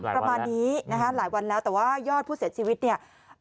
ประมาณนี้นะคะหลายวันแล้วแต่ว่ายอดผู้เสียชีวิตเนี่ย